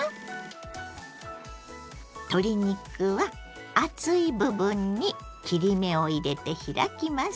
鶏肉は厚い部分に切り目を入れて開きます。